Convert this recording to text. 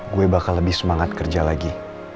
gue bakal lebih semangat kerja lagi